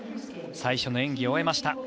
最初の演技を終えました。